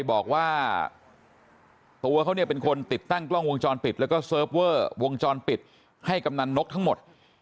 บอกว่าตัวเขาเนี่ยเป็นคนติดตั้งกล้องวงจรปิดแล้วก็เซิร์ฟเวอร์วงจรปิดให้กำนันนกทั้งหมด